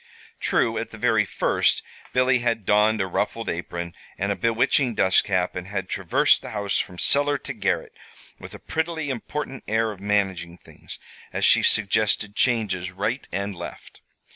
True, at the very first, Billy had donned a ruffled apron and a bewitching dust cap, and had traversed the house from cellar to garret with a prettily important air of "managing things," as she suggested changes right and left.